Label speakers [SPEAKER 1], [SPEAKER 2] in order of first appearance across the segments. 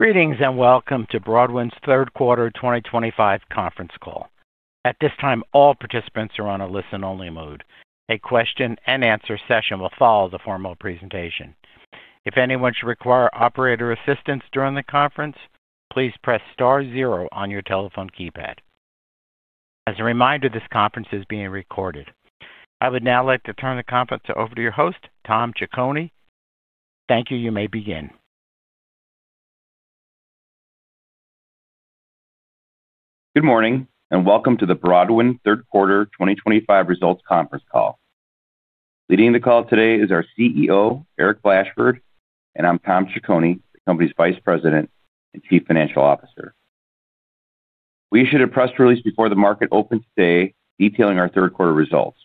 [SPEAKER 1] Greetings and welcome to Broadwind's third quarter 2025 conference call. At this time, all participants are on a listen-only mode. A question-and-answer session will follow the formal presentation. If anyone should require operator assistance during the conference, please press *0 on your telephone keypad. As a reminder, this conference is being recorded. I would now like to turn the conference over to your host, Tom Ciccone. Thank you. You may begin.
[SPEAKER 2] Good morning and welcome to the Broadwind third quarter 2025 results conference call. Leading the call today is our CEO, Eric Blashford, and I'm Tom Ciccone, the company's Vice President and Chief Financial Officer. We issued a press release before the market opened today detailing our third quarter results.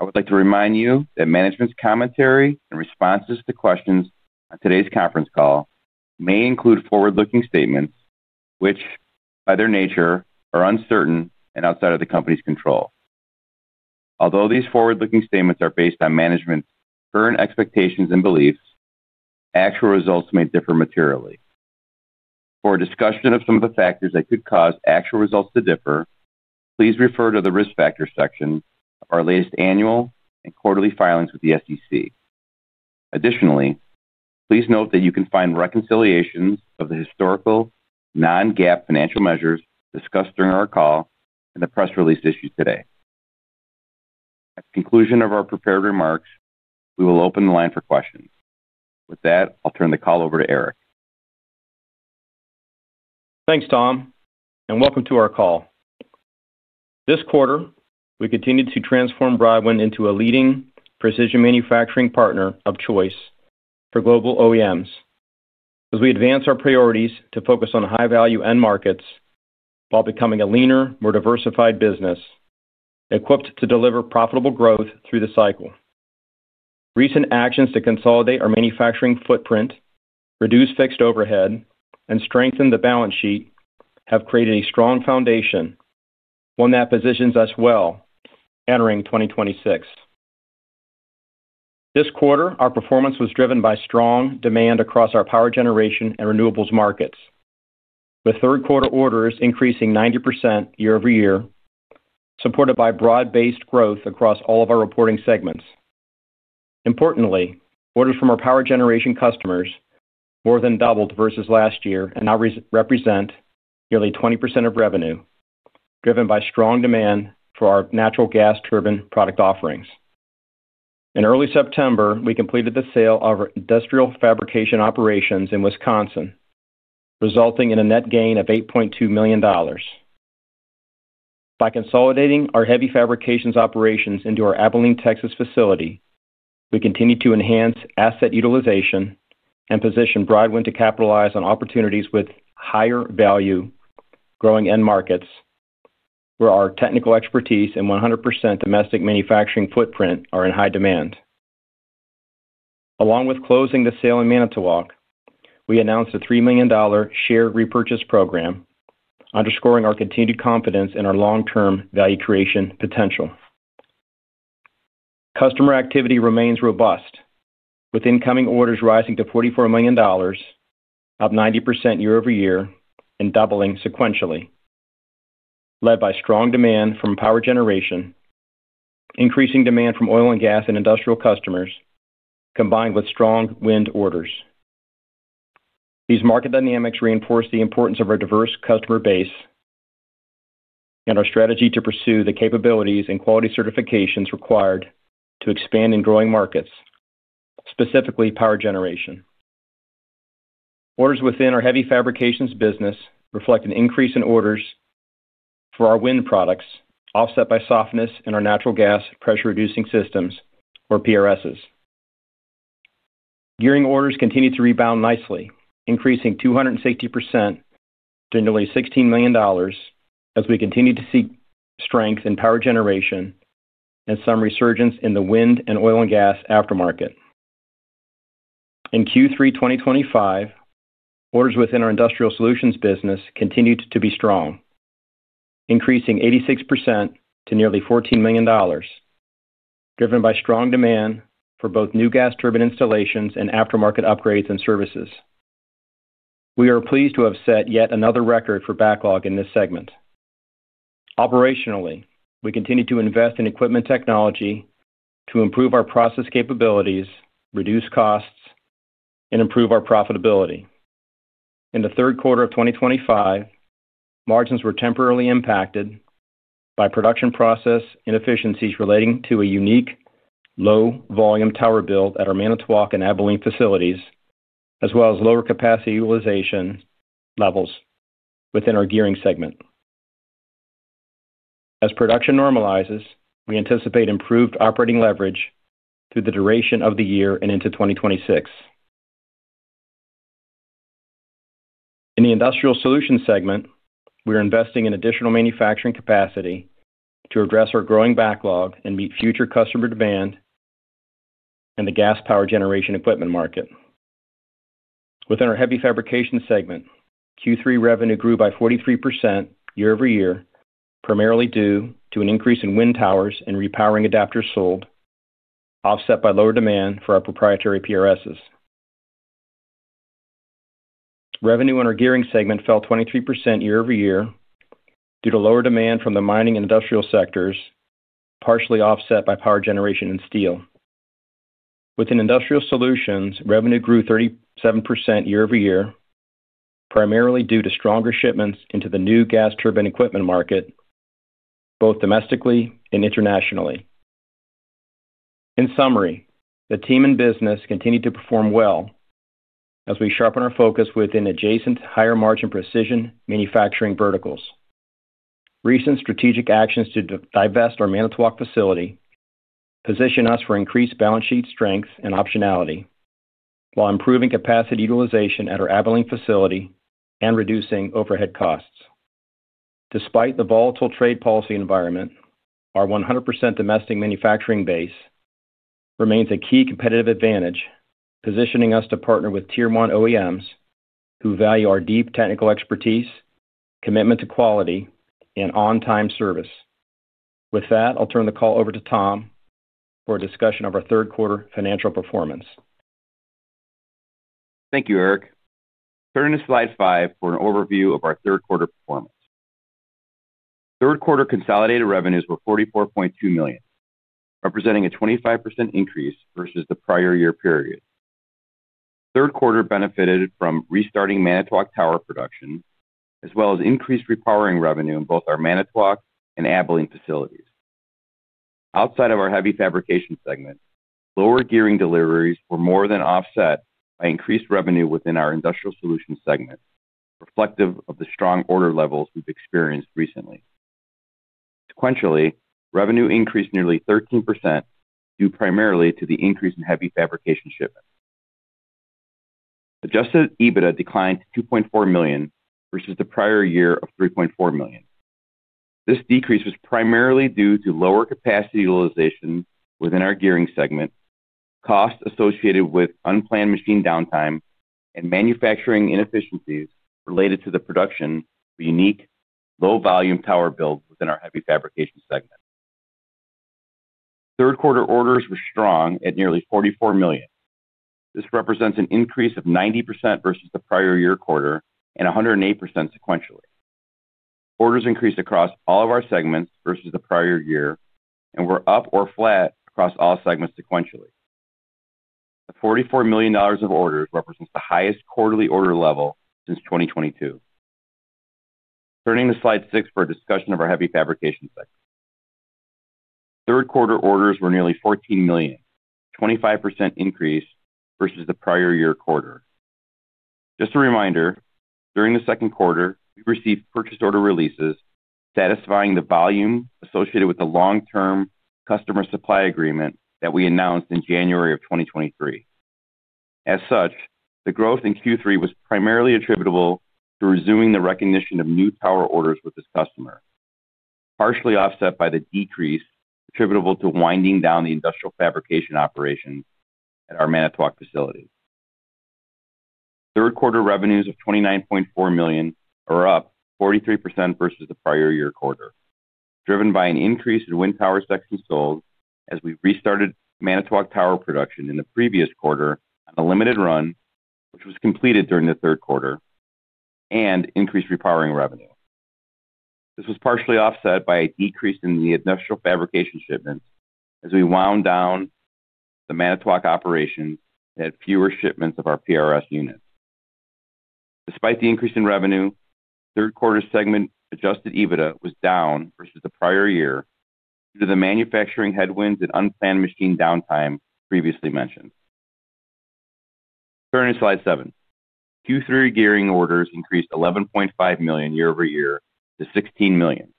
[SPEAKER 2] I would like to remind you that management's commentary and responses to questions on today's conference call may include forward-looking statements which, by their nature, are uncertain and outside of the company's control. Although these forward-looking statements are based on management's current expectations and beliefs, actual results may differ materially. For a discussion of some of the factors that could cause actual results to differ, please refer to the risk factor section of our latest annual and quarterly filings with the SEC. Additionally, please note that you can find reconciliations of the historical non-GAAP financial measures discussed during our call in the press release issued today. At the conclusion of our prepared remarks, we will open the line for questions. With that, I'll turn the call over to Eric.
[SPEAKER 3] Thanks, Tom, and welcome to our call. This quarter, we continue to transform Broadwind into a leading precision manufacturing partner of choice for global OEMs as we advance our priorities to focus on high-value end markets while becoming a leaner, more diversified business equipped to deliver profitable growth through the cycle. Recent actions to consolidate our manufacturing footprint, reduce fixed overhead, and strengthen the balance sheet have created a strong foundation, one that positions us well entering 2026. This quarter, our performance was driven by strong demand across our power generation and renewables markets, with third quarter orders increasing 90% year-over-year, supported by broad-based growth across all of our reporting segments. Importantly, orders from our power generation customers more than doubled versus last year and now represent nearly 20% of revenue, driven by strong demand for our natural gas turbine product offerings. In early September, we completed the sale of our industrial fabrication operations in Wisconsin, resulting in a net gain of $8.2 million. By consolidating our heavy fabrications operations into our Abilene, Texas facility, we continue to enhance asset utilization and position Broadwind to capitalize on opportunities with higher value, growing end markets where our technical expertise and 100% domestic manufacturing footprint are in high demand. Along with closing the sale in Manitowoc, we announced a $3 million share repurchase program, underscoring our continued confidence in our long-term value creation potential. Customer activity remains robust, with incoming orders rising to $44 million, up 90% year over year and doubling sequentially, led by strong demand from power generation, increasing demand from oil and gas and industrial customers, combined with strong wind orders. These market dynamics reinforce the importance of our diverse customer base and our strategy to pursue the capabilities and quality certifications required to expand in growing markets, specifically power generation. Orders within our heavy fabrications business reflect an increase in orders for our wind products offset by softness in our natural gas pressure-reducing systems, or PRSs. Gearing orders continue to rebound nicely, increasing 260% to nearly $16 million as we continue to see strength in power generation and some resurgence in the wind and oil and gas aftermarket. In Q3 2025, orders within our industrial solutions business continued to be strong, increasing 86% to nearly $14 million, driven by strong demand for both new gas turbine installations and aftermarket upgrades and services. We are pleased to have set yet another record for backlog in this segment. Operationally, we continue to invest in equipment technology to improve our process capabilities, reduce costs, and improve our profitability. In the third quarter of 2025, margins were temporarily impacted by production process inefficiencies relating to a unique low-volume tower build at our Manitowoc and Abilene facilities, as well as lower capacity utilization levels within our gearing segment. As production normalizes, we anticipate improved operating leverage through the duration of the year and into 2026. In the industrial solutions segment, we are investing in additional manufacturing capacity to address our growing backlog and meet future customer demand in the gas power generation equipment market. Within our heavy fabrication segment, Q3 revenue grew by 43% year over year, primarily due to an increase in wind towers and repowering adapters sold, offset by lower demand for our proprietary PRSs. Revenue on our gearing segment fell 23% year over year due to lower demand from the mining and industrial sectors, partially offset by power generation and steel. Within industrial solutions, revenue grew 37% year over year, primarily due to stronger shipments into the new gas turbine equipment market, both domestically and internationally. In summary, the team and business continue to perform well as we sharpen our focus within adjacent higher-margin precision manufacturing verticals. Recent strategic actions to divest our Manitowoc facility position us for increased balance sheet strength and optionality while improving capacity utilization at our Abilene facility and reducing overhead costs. Despite the volatile trade policy environment, our 100% domestic manufacturing base remains a key competitive advantage, positioning us to partner with tier-one OEMs who value our deep technical expertise, commitment to quality, and on-time service. With that, I'll turn the call over to Tom for a discussion of our third quarter financial performance.
[SPEAKER 2] Thank you, Eric. Turning to slide five for an overview of our third quarter performance. Third quarter consolidated revenues were $44.2 million, representing a 25% increase versus the prior year period. Third quarter benefited from restarting Manitowoc tower production, as well as increased repowering revenue in both our Manitowoc and Abilene facilities. Outside of our heavy fabrication segment, lower gearing deliveries were more than offset by increased revenue within our industrial solutions segment, reflective of the strong order levels we've experienced recently. Sequentially, revenue increased nearly 13% due primarily to the increase in heavy fabrication shipments. Adjusted EBITDA declined to $2.4 million versus the prior year of $3.4 million. This decrease was primarily due to lower capacity utilization within our gearing segment, costs associated with unplanned machine downtime, and manufacturing inefficiencies related to the production of unique low-volume tower builds within our heavy fabrication segment. Third quarter orders were strong at nearly $44 million. This represents an increase of 90% versus the prior year quarter and 108% sequentially. Orders increased across all of our segments versus the prior year and were up or flat across all segments sequentially. The $44 million of orders represents the highest quarterly order level since 2022. Turning to slide six for a discussion of our heavy fabrication segment. Third quarter orders were nearly $14 million, a 25% increase versus the prior year quarter. Just a reminder, during the second quarter, we received purchase order releases satisfying the volume associated with the long-term customer supply agreement that we announced in January of 2023. As such, the growth in Q3 was primarily attributable to resuming the recognition of new tower orders with this customer, partially offset by the decrease attributable to winding down the industrial fabrication operations at our Manitowoc facility. Third quarter revenues of $29.4 million are up 43% versus the prior year quarter, driven by an increase in wind power sections sold as we restarted Manitowoc tower production in the previous quarter on a limited run, which was completed during the third quarter, and increased repowering revenue. This was partially offset by a decrease in the industrial fabrication shipments as we wound down the Manitowoc operations and had fewer shipments of our PRS units. Despite the increase in revenue, third quarter segment Adjusted EBITDA was down versus the prior year due to the manufacturing headwinds and unplanned machine downtime previously mentioned. Turning to slide seven, Q3 gearing orders increased $11.5 million year over year to $16 million,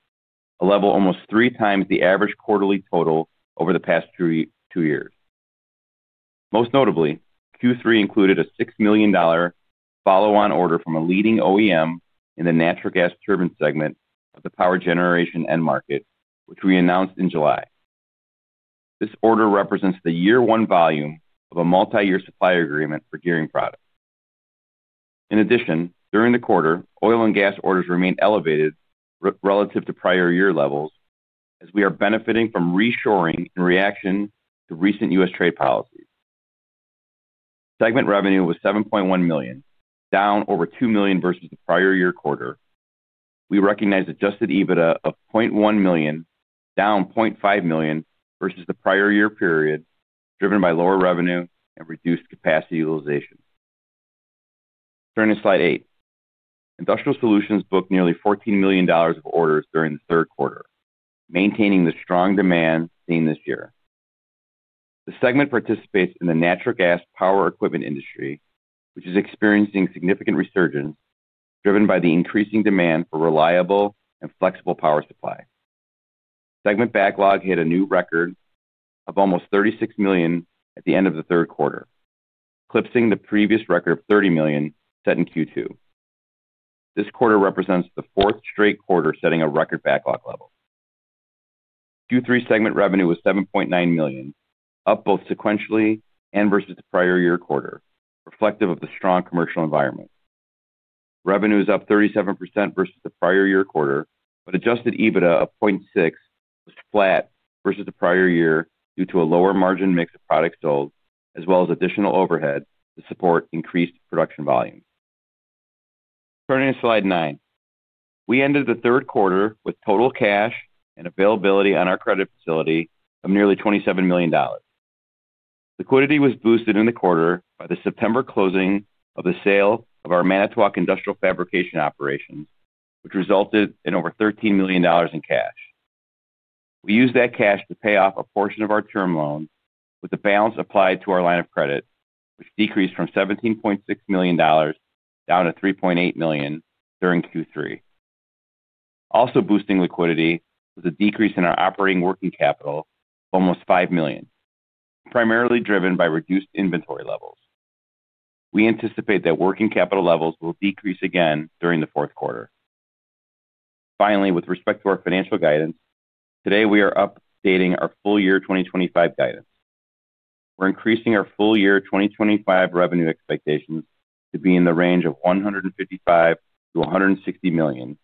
[SPEAKER 2] a level almost three times the average quarterly total over the past two years. Most notably, Q3 included a $6 million follow-on order from a leading OEM in the natural gas turbine segment of the power generation end market, which we announced in July. This order represents the year-one volume of a multi-year supply agreement for gearing products. In addition, during the quarter, oil and gas orders remained elevated relative to prior year levels as we are benefiting from reshoring in reaction to recent U.S. trade policies. Segment revenue was $7.1 million, down over $2 million versus the prior year quarter. We recognize Adjusted EBITDA of $0.1 million, down $0.5 million versus the prior year period, driven by lower revenue and reduced capacity utilization. Turning to slide eight, industrial solutions booked nearly $14 million of orders during the third quarter, maintaining the strong demand seen this year. The segment participates in the natural gas power equipment industry, which is experiencing significant resurgence driven by the increasing demand for reliable and flexible power supply. Segment backlog hit a new record of almost $36 million at the end of the third quarter, eclipsing the previous record of $30 million set in Q2. This quarter represents the fourth straight quarter setting a record backlog level. Q3 segment revenue was $7.9 million, up both sequentially and versus the prior year quarter, reflective of the strong commercial environment. Revenue is up 37% versus the prior year quarter, but Adjusted EBITDA of $0.6 million was flat versus the prior year due to a lower margin mix of products sold, as well as additional overhead to support increased production volume. Turning to slide nine, we ended the third quarter with total cash and availability on our credit facility of nearly $27 million. Liquidity was boosted in the quarter by the September closing of the sale of our Manitowoc industrial fabrication operations, which resulted in over $13 million in cash. We used that cash to pay off a portion of our term loan, with the balance applied to our line of credit, which decreased from $17.6 million down to $3.8 million during Q3. Also boosting liquidity was a decrease in our operating working capital of almost $5 million, primarily driven by reduced inventory levels. We anticipate that working capital levels will decrease again during the fourth quarter. Finally, with respect to our financial guidance, today we are updating our full year 2025 guidance. We're increasing our full year 2025 revenue expectations to be in the range of $155-$160 million,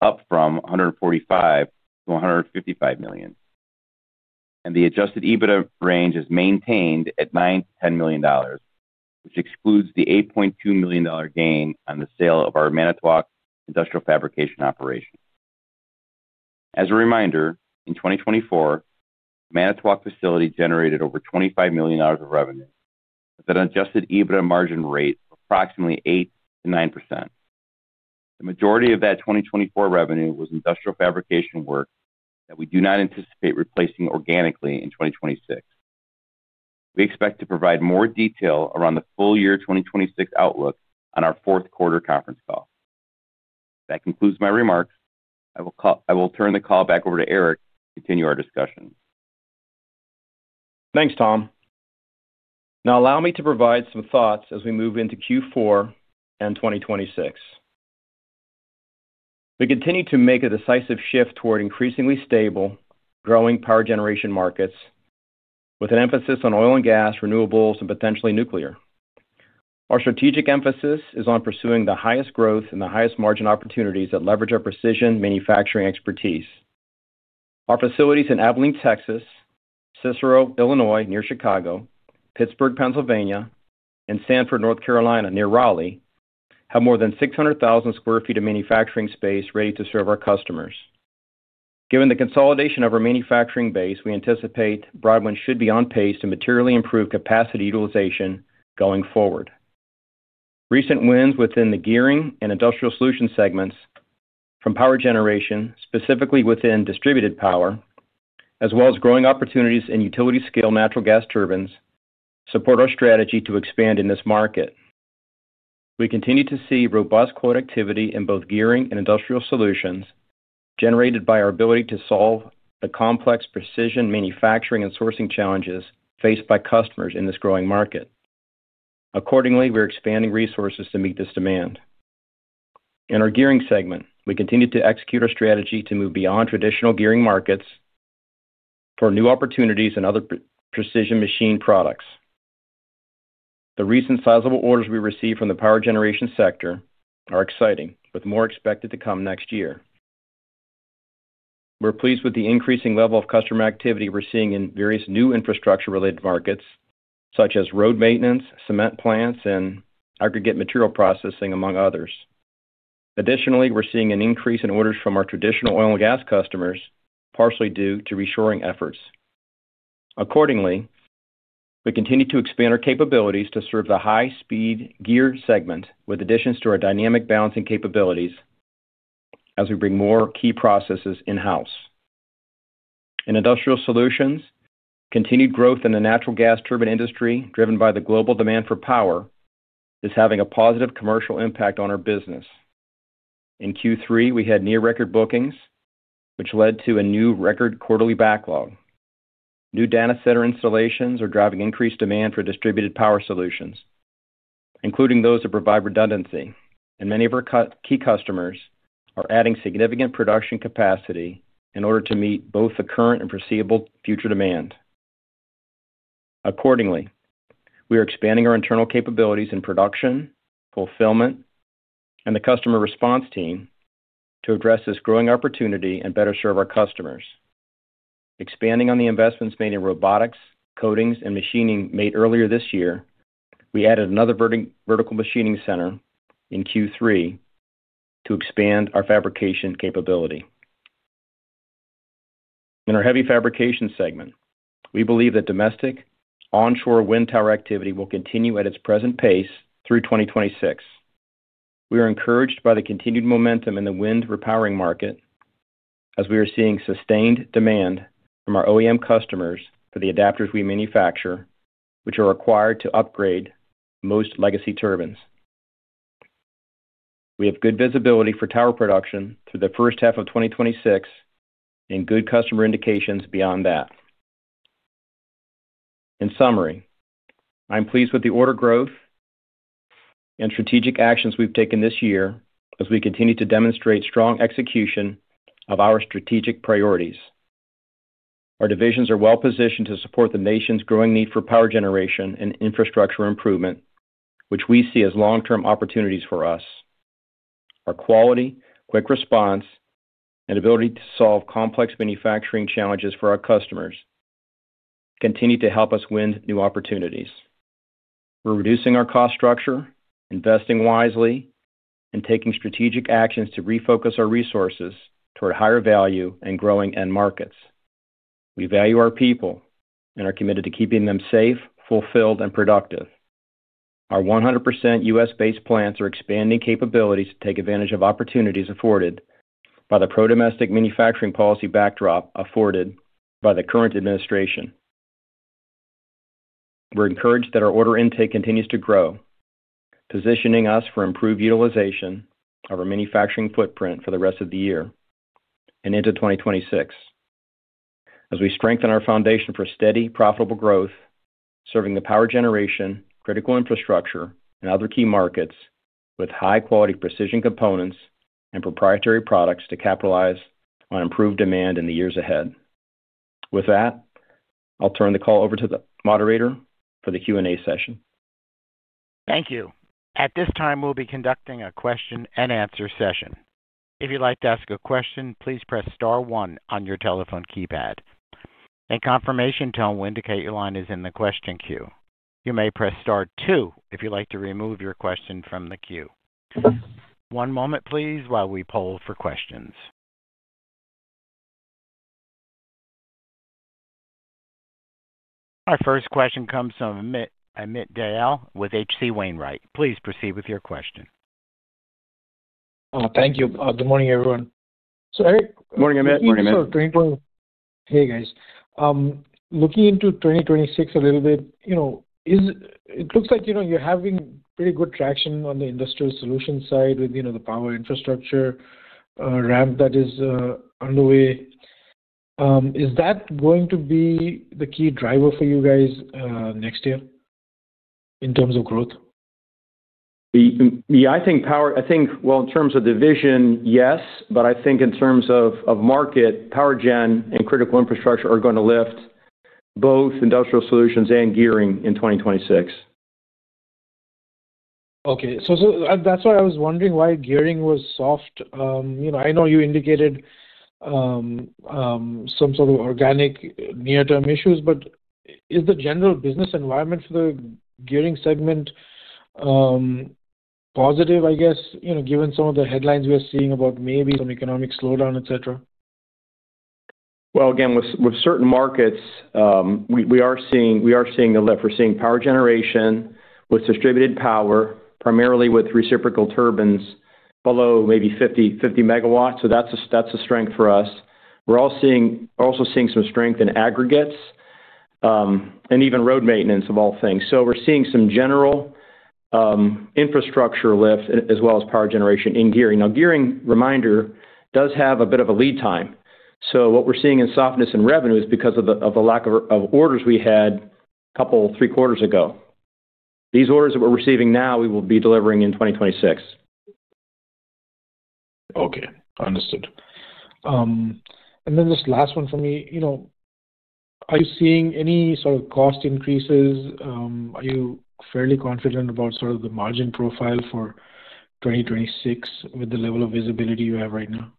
[SPEAKER 2] up from $145-$155 million. The Adjusted EBITDA range is maintained at $9-$10 million, which excludes the $8.2 million gain on the sale of our Manitowoc industrial fabrication operation. As a reminder, in 2024, the Manitowoc facility generated over $25 million of revenue with an Adjusted EBITDA margin rate of approximately 8-9%. The majority of that 2024 revenue was industrial fabrication work that we do not anticipate replacing organically in 2026. We expect to provide more detail around the full year 2026 outlook on our fourth quarter conference call. That concludes my remarks. I will turn the call back over to Eric to continue our discussion.
[SPEAKER 3] Thanks, Tom. Now allow me to provide some thoughts as we move into Q4 and 2026. We continue to make a decisive shift toward increasingly stable, growing power generation markets with an emphasis on oil and gas, renewables, and potentially nuclear. Our strategic emphasis is on pursuing the highest growth and the highest margin opportunities that leverage our precision manufacturing expertise. Our facilities in Abilene, Texas, Cicero, Illinois, near Chicago, Pittsburgh, Pennsylvania, and Sanford, North Carolina, near Raleigh, have more than 600,000 sq ft of manufacturing space ready to serve our customers. Given the consolidation of our manufacturing base, we anticipate Broadwind should be on pace to materially improve capacity utilization going forward. Recent wins within the gearing and industrial solutions segments from power generation, specifically within distributed power, as well as growing opportunities in utility-scale natural gas turbines, support our strategy to expand in this market. We continue to see robust quote activity in both gearing and industrial solutions generated by our ability to solve the complex precision manufacturing and sourcing challenges faced by customers in this growing market. Accordingly, we're expanding resources to meet this demand. In our gearing segment, we continue to execute our strategy to move beyond traditional gearing markets for new opportunities in other precision machine products. The recent sizable orders we received from the power generation sector are exciting, with more expected to come next year. We're pleased with the increasing level of customer activity we're seeing in various new infrastructure-related markets, such as road maintenance, cement plants, and aggregate material processing, among others. Additionally, we're seeing an increase in orders from our traditional oil and gas customers, partially due to reshoring efforts. Accordingly, we continue to expand our capabilities to serve the high-speed gear segment with additions to our dynamic balancing capabilities as we bring more key processes in-house. In industrial solutions, continued growth in the natural gas turbine industry, driven by the global demand for power, is having a positive commercial impact on our business. In Q3, we had near-record bookings, which led to a new record quarterly backlog. New data center installations are driving increased demand for distributed power solutions, including those that provide redundancy, and many of our key customers are adding significant production capacity in order to meet both the current and foreseeable future demand. Accordingly, we are expanding our internal capabilities in production, fulfillment, and the customer response team to address this growing opportunity and better serve our customers. Expanding on the investments made in robotics, coatings, and machining made earlier this year, we added another vertical machining center in Q3 to expand our fabrication capability. In our heavy fabrication segment, we believe that domestic onshore wind tower activity will continue at its present pace through 2026. We are encouraged by the continued momentum in the wind repowering market as we are seeing sustained demand from our OEM customers for the adapters we manufacture, which are required to upgrade most legacy turbines. We have good visibility for tower production through the first half of 2026 and good customer indications beyond that. In summary, I'm pleased with the order growth and strategic actions we've taken this year as we continue to demonstrate strong execution of our strategic priorities. Our divisions are well-positioned to support the nation's growing need for power generation and infrastructure improvement, which we see as long-term opportunities for us. Our quality, quick response, and ability to solve complex manufacturing challenges for our customers continue to help us win new opportunities. We're reducing our cost structure, investing wisely, and taking strategic actions to refocus our resources toward higher value and growing end markets. We value our people and are committed to keeping them safe, fulfilled, and productive. Our 100% U.S.-based plants are expanding capabilities to take advantage of opportunities afforded by the pro-domestic manufacturing policy backdrop afforded by the current administration. We're encouraged that our order intake continues to grow, positioning us for improved utilization of our manufacturing footprint for the rest of the year and into 2026, as we strengthen our foundation for steady, profitable growth, serving the power generation, critical infrastructure, and other key markets with high-quality precision components and proprietary products to capitalize on improved demand in the years ahead. With that, I'll turn the call over to the moderator for the Q&A session.
[SPEAKER 1] Thank you. At this time, we'll be conducting a question-and-answer session. If you'd like to ask a question, please press *1 on your telephone keypad. In confirmation, tell them to indicate your line is in the question queue. You may press *2 if you'd like to remove your question from the queue. One moment, please, while we poll for questions. Our first question comes from Amit Dayal with H.C. Wainwright. Please proceed with your question.
[SPEAKER 4] Thank you. Good morning, everyone. So, Eric.
[SPEAKER 3] Good morning, Amit.
[SPEAKER 4] Hey, guys. Looking into 2026 a little bit, it looks like you're having pretty good traction on the industrial solution side with the power infrastructure ramp that is underway. Is that going to be the key driver for you guys next year in terms of growth?
[SPEAKER 3] Yeah, I think power, in terms of the vision, yes, but I think in terms of market, power gen and critical infrastructure are going to lift both industrial solutions and gearing in 2026.
[SPEAKER 4] Okay. That's why I was wondering why gearing was soft. I know you indicated some sort of organic near-term issues, but is the general business environment for the gearing segment positive, I guess, given some of the headlines we are seeing about maybe some economic slowdown, etc.?
[SPEAKER 3] With certain markets, we are seeing a lift. We're seeing power generation with distributed power, primarily with reciprocal turbines below maybe 50 megawatts. That's a strength for us. We're also seeing some strength in aggregates and even road maintenance, of all things. We're seeing some general infrastructure lift, as well as power generation in gearing. Now, gearing, reminder, does have a bit of a lead time. What we're seeing in softness in revenue is because of the lack of orders we had a couple of three quarters ago. These orders that we're receiving now, we will be delivering in 2026.
[SPEAKER 4] Okay. Understood. And then this last one for me. Are you seeing any sort of cost increases? Are you fairly confident about sort of the margin profile for 2026 with the level of visibility you have right now?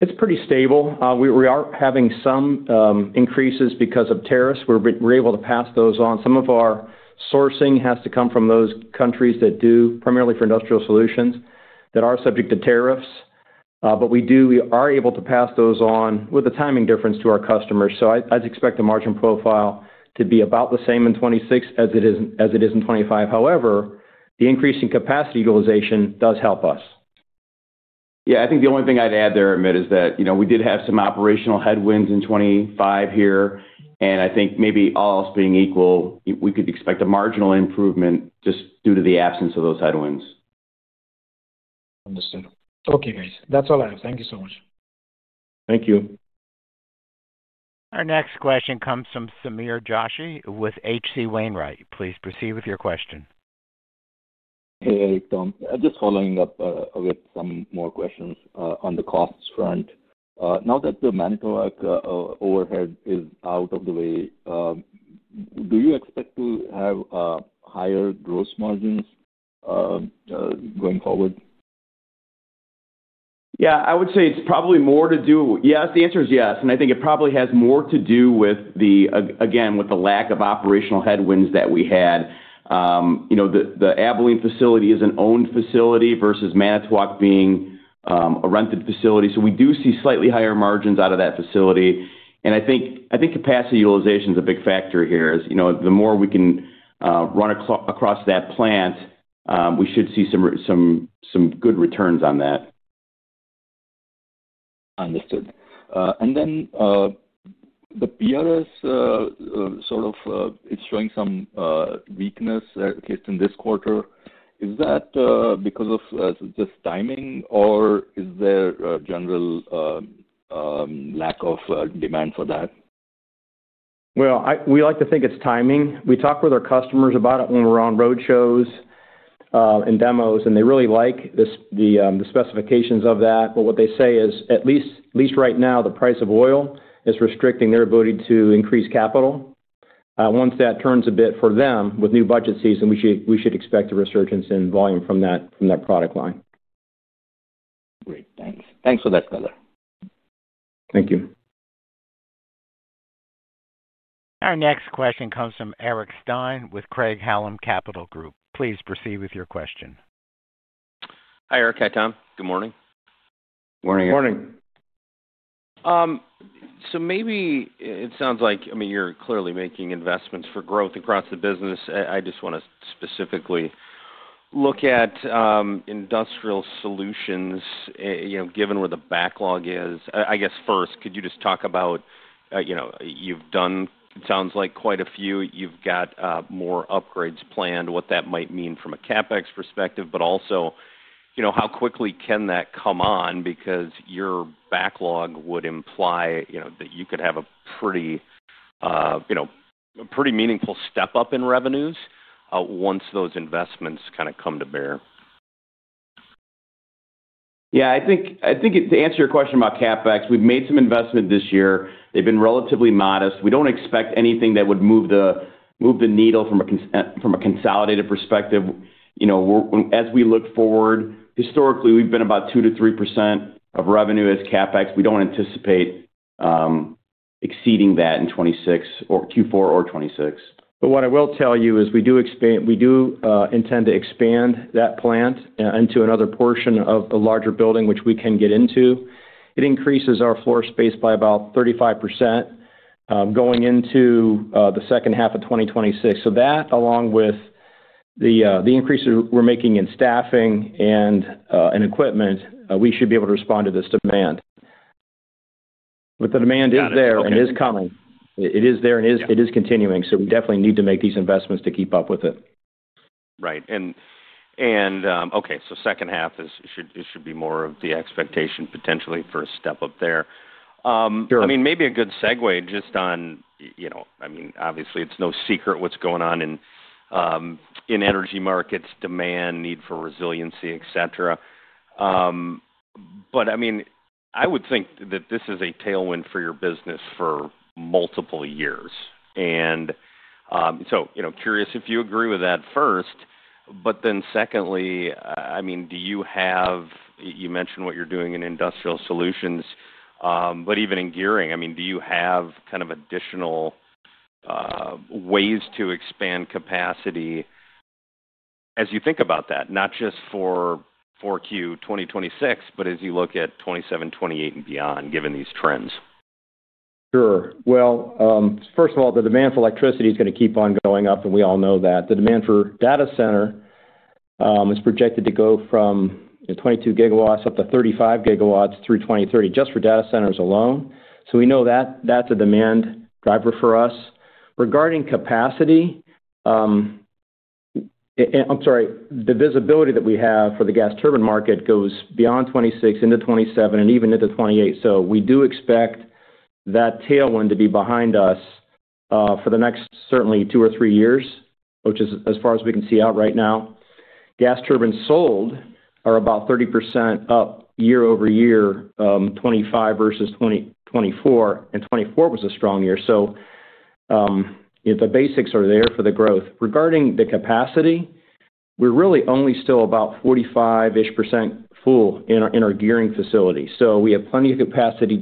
[SPEAKER 3] It's pretty stable. We are having some increases because of tariffs. We're able to pass those on. Some of our sourcing has to come from those countries that do primarily for industrial solutions that are subject to tariffs. We are able to pass those on with a timing difference to our customers. I'd expect the margin profile to be about the same in 2026 as it is in 2025. However, the increase in capacity utilization does help us. I think the only thing I'd add there, Amit, is that we did have some operational headwinds in 2025 here. I think maybe all else being equal, we could expect a marginal improvement just due to the absence of those headwinds.
[SPEAKER 4] Understood. Okay, guys. That's all I have. Thank you so much.
[SPEAKER 3] Thank you.
[SPEAKER 1] Our next question comes from Sameer Joshi with H.C. Wainwright. Please proceed with your question.
[SPEAKER 5] Hey, Eric. I'm just following up with some more questions on the cost front. Now that the Manitowoc overhead is out of the way, do you expect to have higher gross margins going forward?
[SPEAKER 2] Yeah, I would say it's probably more to do with—yes, the answer is yes. I think it probably has more to do with, again, with the lack of operational headwinds that we had. The Abilene facility is an owned facility versus Manitowoc being a rented facility. We do see slightly higher margins out of that facility. I think capacity utilization is a big factor here. The more we can run across that plant, we should see some good returns on that.
[SPEAKER 5] Understood. The PRS sort of is showing some weakness, at least in this quarter. Is that because of just timing, or is there a general lack of demand for that?
[SPEAKER 3] We like to think it's timing. We talk with our customers about it when we're on road shows and demos, and they really like the specifications of that. What they say is, at least right now, the price of oil is restricting their ability to increase capital. Once that turns a bit for them, with new budget season, we should expect a resurgence in volume from that product line.
[SPEAKER 5] Great. Thanks. Thanks for that color.
[SPEAKER 3] Thank you.
[SPEAKER 1] Our next question comes from Eric Stine with Craig-Hallum Capital Group. Please proceed with your question.
[SPEAKER 6] Hi, Eric. Hi, Tom. Good morning.
[SPEAKER 2] Good morning.
[SPEAKER 3] Good morning.
[SPEAKER 6] Maybe it sounds like you're clearly making investments for growth across the business. I just want to specifically look at industrial solutions, given where the backlog is. I guess first, could you just talk about, you've done, it sounds like, quite a few. You've got more upgrades planned, what that might mean from a CapEx perspective, but also how quickly can that come on? Because your backlog would imply that you could have a pretty meaningful step up in revenues once those investments kind of come to bear.
[SPEAKER 2] Yeah. I think to answer your question about CapEx, we've made some investment this year. They've been relatively modest. We don't expect anything that would move the needle from a consolidated perspective. As we look forward, historically, we've been about 2-3% of revenue as CapEx. We don't anticipate exceeding that in 2026 or Q4 of 2026. What I will tell you is we do intend to expand that plant into another portion of a larger building, which we can get into. It increases our floor space by about 35% going into the second half of 2026. That, along with the increase we're making in staffing and equipment, we should be able to respond to this demand. The demand is there and is coming. It is there and it is continuing. We definitely need to make these investments to keep up with it.
[SPEAKER 6] Right. Okay, so second half, it should be more of the expectation, potentially, for a step up there. I mean, maybe a good segue just on—I mean, obviously, it's no secret what's going on in energy markets, demand, need for resiliency, etc. I would think that this is a tailwind for your business for multiple years. Curious if you agree with that first. Secondly, do you have—you mentioned what you're doing in industrial solutions, but even in gearing. Do you have kind of additional ways to expand capacity as you think about that, not just for Q2 2026, but as you look at 2027, 2028, and beyond, given these trends?
[SPEAKER 3] Sure. First of all, the demand for electricity is going to keep on going up, and we all know that. The demand for data center is projected to go from 22 gigawatts up to 35 gigawatts through 2030, just for data centers alone. We know that that's a demand driver for us. Regarding capacity, I'm sorry, the visibility that we have for the gas turbine market goes beyond 2026 into 2027 and even into 2028. We do expect that tailwind to be behind us for the next, certainly, two or three years, which is as far as we can see out right now. Gas turbines sold are about 30% up year over year, 2025 versus 2024. 2024 was a strong year. The basics are there for the growth. Regarding the capacity, we're really only still about 45% full in our gearing facility. We have plenty of capacity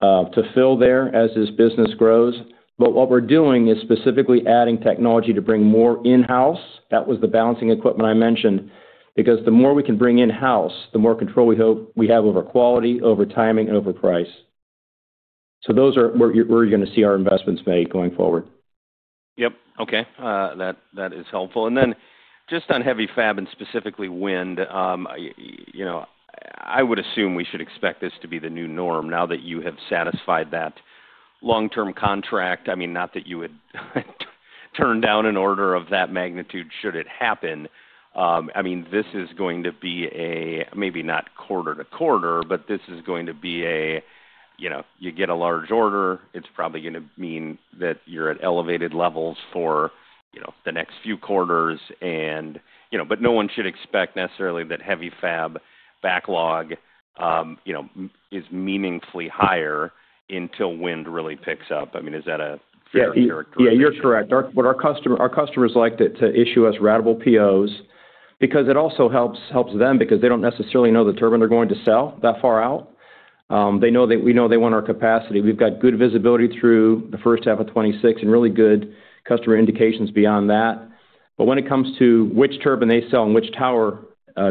[SPEAKER 3] to fill there as this business grows. What we're doing is specifically adding technology to bring more in-house. That was the balancing equipment I mentioned. The more we can bring in-house, the more control we hope we have over quality, over timing, and over price. Those are where you're going to see our investments made going forward.
[SPEAKER 6] Yep. Okay. That is helpful. And then just on heavy fab and specifically wind, I would assume we should expect this to be the new norm now that you have satisfied that long-term contract. I mean, not that you would turn down an order of that magnitude should it happen. I mean, this is going to be a—maybe not quarter to quarter, but this is going to be a—you get a large order. It's probably going to mean that you're at elevated levels for the next few quarters. But no one should expect necessarily that heavy fab backlog is meaningfully higher until wind really picks up. I mean, is that a fair characteristic?
[SPEAKER 3] Yeah, you're correct. Our customers like to issue us ratable POs because it also helps them because they don't necessarily know the turbine they're going to sell that far out. They know they want our capacity. We've got good visibility through the first half of 2026 and really good customer indications beyond that. When it comes to which turbine they sell and which tower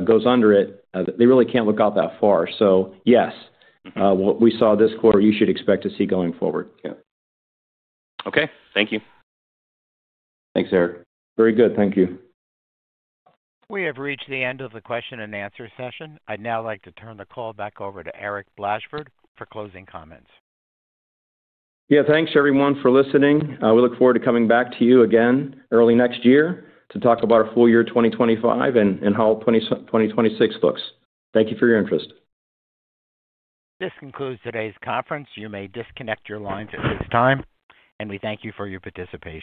[SPEAKER 3] goes under it, they really can't look out that far. Yes, what we saw this quarter, you should expect to see going forward.
[SPEAKER 6] Okay. Thank you.
[SPEAKER 3] Thanks, Eric. Very good. Thank you.
[SPEAKER 1] We have reached the end of the question-and-answer session. I'd now like to turn the call back over to Eric Blashford for closing comments.
[SPEAKER 3] Yeah. Thanks, everyone, for listening. We look forward to coming back to you again early next year to talk about our full year 2025 and how 2026 looks. Thank you for your interest.
[SPEAKER 1] This concludes today's conference. You may disconnect your lines at this time. We thank you for your participation.